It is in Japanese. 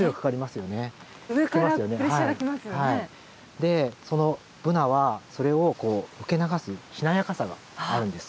でそのブナはそれを受け流すしなやかさがあるんです。